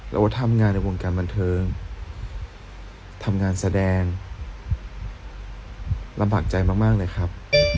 ทำงานในวงการบันเทิงทำงานแสดงลำบากใจมากเลยครับ